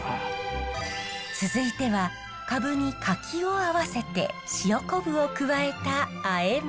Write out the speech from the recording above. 続いてはカブに柿をあわせて塩こぶを加えたあえ物。